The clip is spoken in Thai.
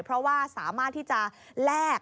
เพราะว่าสามารถที่จะแลก